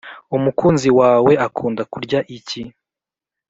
umukunzi wawe akunda kurya iki ?